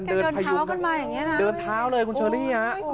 เดินเท้าเลยคุณเชไร่